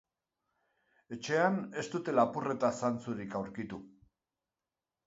Etxean ez dute lapurreta zantzurik aurkitu.